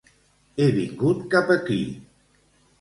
He vingut cap aquí.